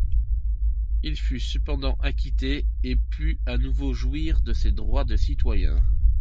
Il fut cependant acquitté et put à nouveau jouir de ses droits de citoyen.